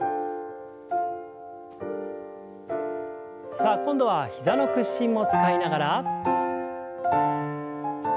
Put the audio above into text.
さあ今度は膝の屈伸も使いながら。